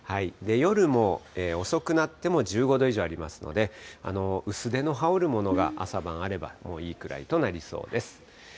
夜も遅くなっても１５度以上ありますので、薄手の羽織るものが朝晩あれば、もういいくらいとなりそうです。